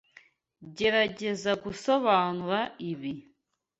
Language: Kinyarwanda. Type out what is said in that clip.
Gerageza gusobanura ibi.